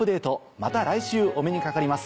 また来週お目にかかります。